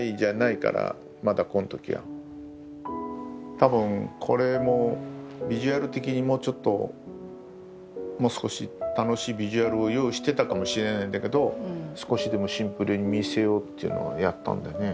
多分これもビジュアル的にもうちょっともう少し楽しいビジュアルを用意してたかもしれないんだけど少しでもシンプルに見せようっていうのをやったんだよね。